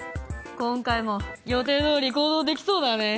今回も予定どおり行動できそうだね。